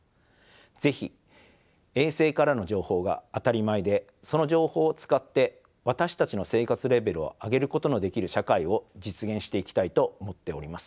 是非衛星からの情報が当たり前でその情報を使って私たちの生活レベルを上げることのできる社会を実現していきたいと思っております。